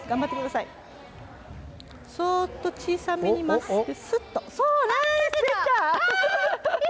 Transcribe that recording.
そっと小さめにまっすぐ。